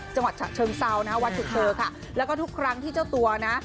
จังหวัดเฉอมเซาวันจุเชอค่ะแล้วก็ทุกครั้งที่เจ้าตัวนะ